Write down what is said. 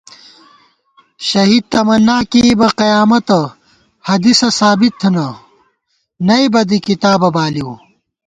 شہید تمنا کېئیبہ قیامَتہ ، حدیثہ ثابت تھنہ نئیبہ دی کِتابہ بالِؤ